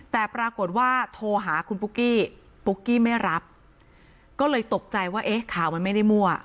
แต่ปรากฏว่าโทรหาคุณปุ๊กกี้ปุ๊กกี้ไม่รับก็เลยตกใจว่าเอ๊ะข่าวมันไม่ได้มั่ว